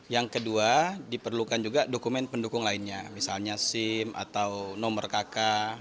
yang kedua diperlukan juga dokumen pendukung lainnya misalnya sim atau nomor kk